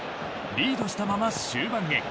リードしたまま終盤に。